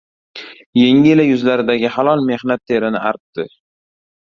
Yengi ila yuzlaridagi halol mehnat terini artdi.